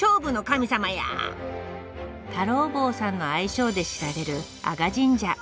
太郎坊さんの愛称で知られる阿賀神社。